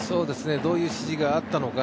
どういう指示があったのか